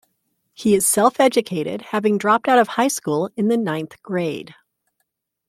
He is self-educated, having dropped out of high school in the ninth grade.